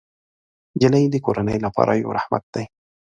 نجلۍ د کورنۍ لپاره یو رحمت دی.